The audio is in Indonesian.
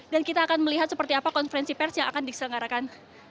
dan kita akan melihat seperti apa konferensi pers yang akan diselenggarakan